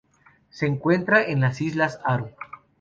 Se encuentran en las Islas Aru.